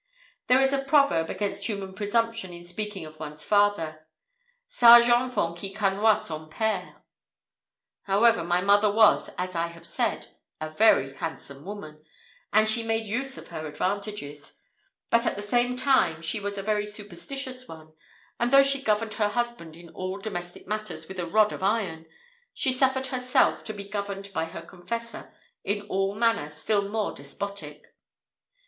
There is a proverb against human presumption in speaking of one's father, 'Sage enfant qui connoit son père!' However, my mother was, as I have said, a very handsome woman, and she made use of her advantages; but, at the same time, she was a very superstitious one, and though she governed her husband in all domestic matters with a rod of iron, she suffered herself to be governed by her confessor in a manner still more despotic.